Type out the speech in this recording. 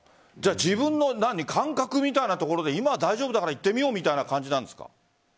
自分の感覚みたいなところで今は大丈夫だから行ってみようみたいな感じなんですか？